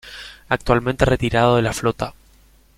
Actualmente Retirado de la flota.